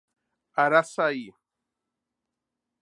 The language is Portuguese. Araçaí